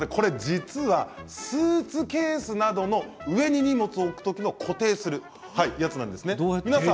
実はスーツケースなどの上に置く時に固定するものなんです。